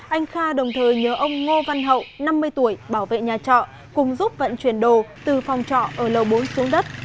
anh kha đồng thời nhớ ông ngô văn hậu năm mươi tuổi bảo vệ nhà trọ cùng giúp vận chuyển đồ từ phòng trọ ở lầu bốn xuống đất